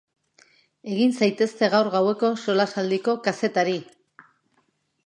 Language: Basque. Egin zaitezte gaur gaueko solasaldiko kazetari!